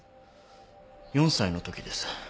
４歳のときです。